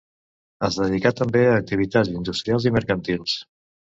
Es dedicà també a activitats industrials i mercantils.